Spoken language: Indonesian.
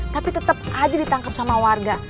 tapi tetep aja ditangkep sama warga